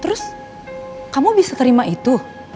terus kamu bisa terima itu